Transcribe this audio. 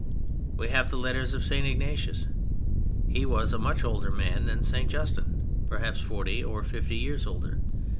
We have the letters of St. Ignatius. He was a much older man than St. Justin—perhaps forty or fifty years older.